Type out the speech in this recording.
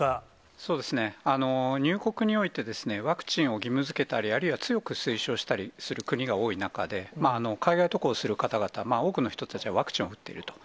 そうですね、入国において、ワクチンを義務づけたり、あるいは強く推奨したりする国が多い中で、海外渡航する方々、多くの人たちはワクチンを打っていると。